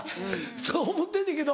そう思ってんねんけど。